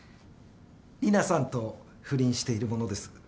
里奈さんと不倫している者です。